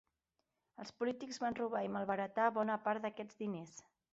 Els polítics van robar i malbaratar bona part d'aquests diners.